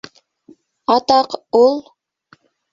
Атаҡ, ул...